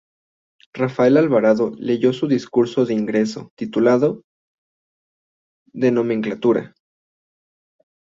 Rafael Alvarado leyó su discurso de ingreso, titulado "De nomenclatura.